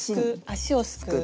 足をすくう。